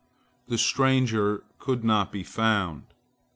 The stranger could not be found.